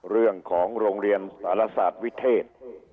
เรื่องของโรงเรียนศาลศาสตร์วิเทศ